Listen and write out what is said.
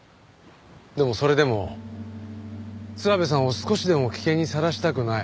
でもそれでも諏訪部さんを少しでも危険にさらしたくない。